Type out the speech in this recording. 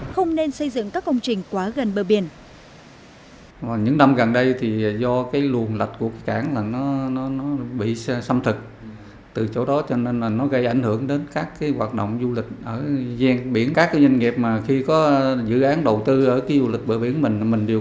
không nên xây dựng các công trình quá gần bờ biển